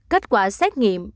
kết quả xét nghiệm